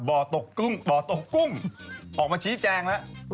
บ่อตกกุ้งออกมาชี้แจงแล้ว